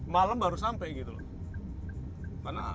malam baru sampai gitu loh